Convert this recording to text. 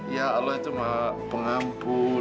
ya allah itu pengampun